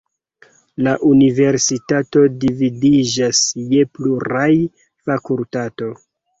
La universitato dividiĝas je pluraj fakultato.